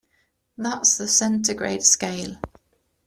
That's the centigrade scale.